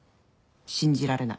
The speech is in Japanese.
信じられない。